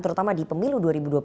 terutama di pemilu dua ribu dua puluh